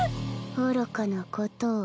愚かなことを。